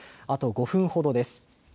あと５分ほどです。